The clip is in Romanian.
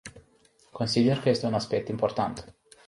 Consider că este un aspect important.